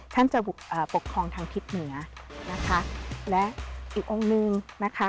ท่านจะเอ่อปกครองทางทิศเหนือนะคะและอีกองค์หนึ่งนะคะ